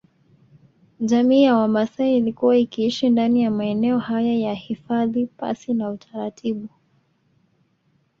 Jamii ya Wamaasai ilikuwa ikiishi ndani ya maeneo haya ya hifadhi pasi na utaratibu